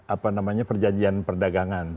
apa namanya perjanjian perdagangan